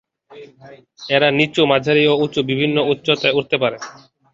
এরা নিচু, মাঝারি এবং উঁচু বিভিন্ন উচ্চতায় উড়তে পারে।